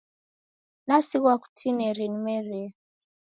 Nasighwa kutineri nimerie